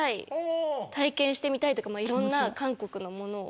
体験してみたいとかまぁいろんな韓国のものを。